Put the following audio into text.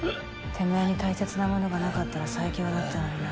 てめぇに大切なものがなかったら最強だったのにな。